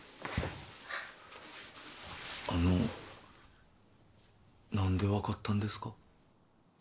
あの何で分かったんですか？